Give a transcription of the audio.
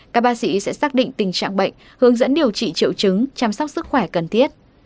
các bác sĩ sẽ xác định tình trạng bệnh hướng dẫn điều trị triệu chứng chăm sóc sức khỏe cần thiết